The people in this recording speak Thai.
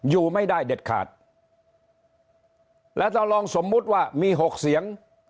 อยู่ไม่ได้เด็ดขาดและถ้าลองสมมุติว่ามีหกเสียง